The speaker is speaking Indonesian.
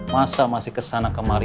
masa masih kesana kemari